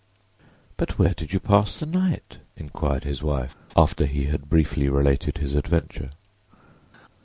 "But where did you pass the night?" inquired his wife, after he had briefly related his adventure.